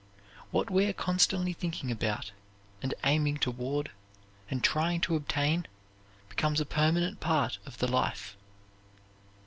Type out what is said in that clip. What we are constantly thinking about, and aiming toward and trying to obtain becomes a permanent part of the life.